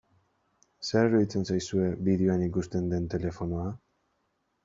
Zer iruditzen zaizue bideoan ikusten den telefonoa?